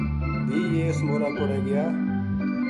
بھی یہ اس مورا کوڑے گیا